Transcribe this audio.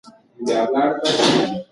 ایا ماشومانو ته مو د دعاګانو زده کړه ورکړې؟